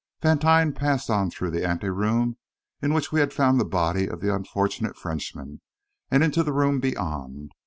Vantine passed on through the ante room in which we had found the body of the unfortunate Frenchman, and into the room beyond.